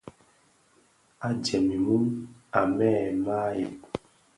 A jèm mum, a mêê maàʼyèg.